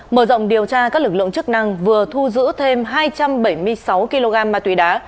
mở rộng điều tra các lực lượng chức năng vừa thu giữ thêm hai trăm bảy mươi sáu kg ma túy đá